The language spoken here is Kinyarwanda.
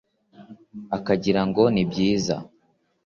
Akagira ngo ni mwiza